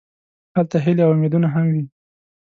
هلته هیلې او امیدونه هم وي.